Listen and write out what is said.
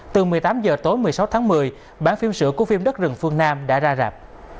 từ một mươi tám h tối một mươi sáu tháng một mươi bản phim sữa của phim đất rừng phương nam đã ra rạp